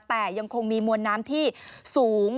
แต่ยังคงมีมวลน้ำที่สูง